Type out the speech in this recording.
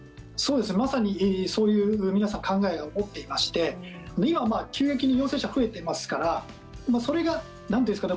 まさに、皆さんそういう考えを持っていまして今、急激に陽性者が増えていますからそれが、なんというんですかね。